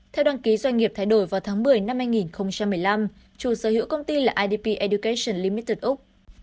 theo đăng ký doanh nghiệp thay đổi vào tháng một mươi năm hai nghìn một mươi năm chủ sở hữu công ty là idp education limitton úc